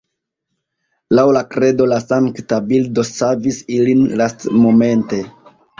Laŭ la kredo la sankta bildo savis ilin lastmomente.